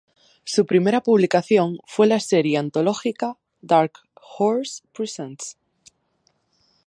Su primera publicación fue la serie antológica Dark Horse Presents.